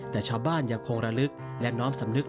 แต่ชาวบ้านยังคงระลึกและน้อมสำนึก